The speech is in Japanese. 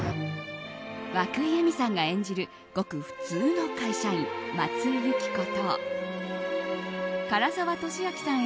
和久井映見さんが演じるごく普通の会社員、松井ゆき子と唐沢寿明さん